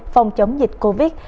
phòng chống dịch covid